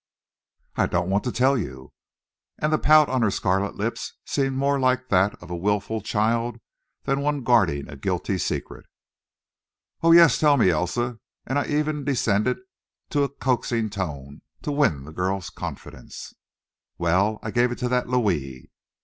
"I don't want to tell you;" and the pout on her scarlet lips seemed more like that of a wilful child than of one guarding a guilty secret. "Oh, yes, tell me, Elsa;" and I even descended to a coaxing tone, to win the girl's confidence. "Well, I gave it to that Louis."